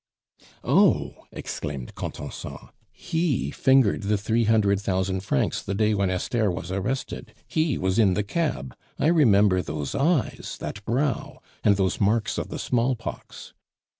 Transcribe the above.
"Oh!" exclaimed Contenson, "he fingered the three hundred thousand francs the day when Esther was arrested; he was in the cab. I remember those eyes, that brow, and those marks of the smallpox."